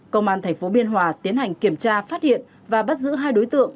công an tp biên hòa tiến hành kiểm tra phát hiện và bắt giữ hai đối tượng